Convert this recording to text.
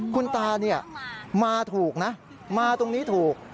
คุณตามาถูกนะมาตรงนี้ถูก